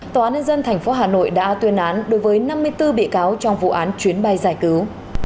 tòa án nhân dân tp hà nội đã tuyên án đối với năm mươi bốn bị cáo trong vụ án chuyến bay giải cứu